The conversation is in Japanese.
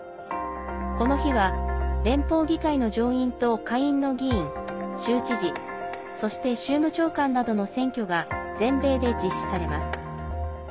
この日は、連邦議会の上院と下院の議員、州知事そして、州務長官などの選挙が全米で実施されます。